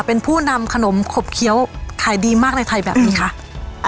เป็นผู้นำขนมขบเคี้ยวขายดีมากในไทยแบบนี้คะ